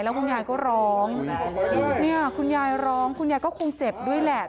คุณยายก็ร้องเนี่ยคุณยายร้องคุณยายก็คงเจ็บด้วยแหละ